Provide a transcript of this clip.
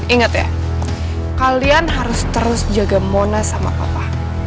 ingat ya kalian harus terus jaga mona sama papa